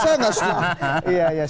saya nggak setuju dua duanya